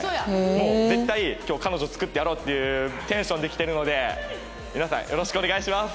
もう絶対今日彼女作ってやろうっていうテンションで来てるので皆さんよろしくお願いします。